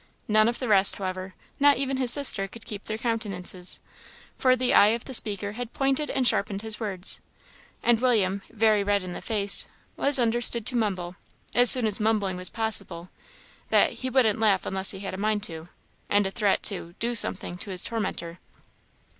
None of the rest, however, not even his sister, could keep their countenances, for the eye of the speaker had pointed and sharpened his words; and William, very red in the face, was understood to mumble, as soon as mumbling was possible, that "he wouldn't laugh unless he had a mind to," and a threat to "do something" to his tormentor.